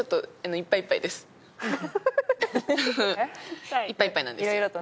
いっぱいいっぱいなんですよ。